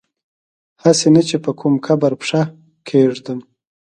هسي نه چي په کوم قبر پښه کیږدم